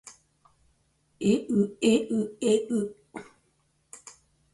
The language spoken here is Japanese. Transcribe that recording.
えうえうえう